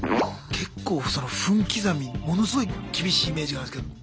結構その分刻みものすごい厳しいイメージがあるんですけど。